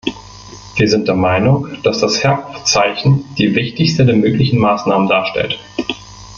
Wir sind der Meinung, dass das Herkunftszeichen die wichtigste der möglichen Maßnahmen darstellt.